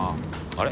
あれ？